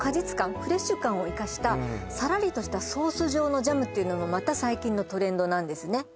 フレッシュ感をいかしたさらりとしたソース状のジャムっていうのもまた最近のトレンドなんですね